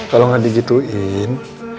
kalau nggak digituin